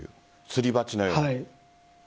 すり鉢のように。